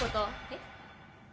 えっ？